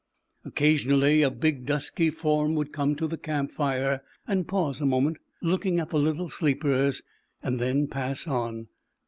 Occasionally a big dusky form would come to the camp fire and pause a moment, looking at the little sleepers, and then pass on.